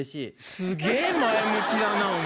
すげー前向きだな、お前。